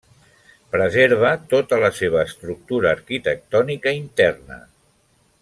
Preserva tota la seva estructura arquitectònica interna.